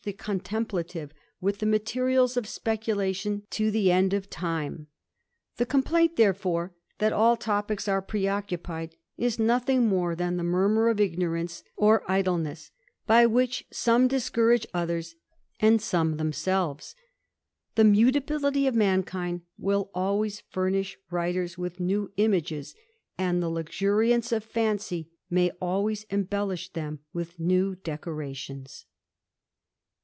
^ contemplative with the materials of speculation to the en.<3 of time. The complaint, therefore, that all topicks are pre occupied, is nothing more than the murmur of ignorance or idleness, by which some discourage others and some thecn selves ; the mutability of mankind will always furnish writers with new images, and the luxuriance of fancy may always embellish them with new decorations.